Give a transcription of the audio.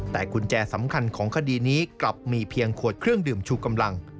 แต่กุญแจสำคัญของคดีนี้กลับมีเพียงขวดเครื่องดื่มชูกำลัง